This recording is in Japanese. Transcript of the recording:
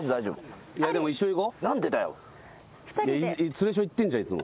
連れション行ってんじゃんいつも。